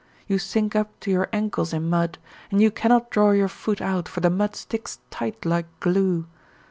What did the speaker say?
You sink up to your ankles in mud, and you cannot draw your foot out, for the mud sticks tight like glue.